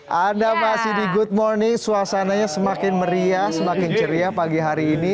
hai anda masih di good morning suasananya semakin meriah semakin ceria pagi hari ini